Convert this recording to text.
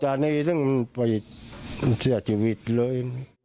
อ๋อจากนี้จึงไปเสียชีวิตเลย